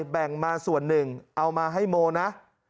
แบ่งมาส่วนหนึ่งเอามาให้โมนะ